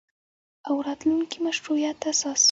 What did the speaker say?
او راتلونکي مشروعیت اساس